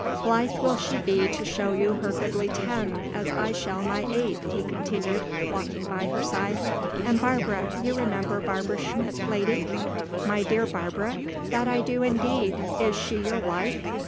Blithe will she be to show you her goodly ten, as I shall my eight," he continued, walking by her side; "and Barbara—you remember Barbara Schmidt, lady—" "My dear Barbara?—That do I indeed! Is she your wife?"